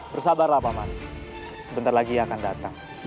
bersabarlah pak ahmad sebentar lagi dia akan datang